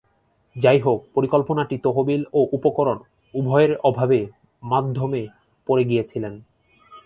যাইহোক, পরিকল্পনাটি তহবিল ও উপকরণ উভয়ের অভাবে মাধ্যমে পড়ে গিয়েছিলেন।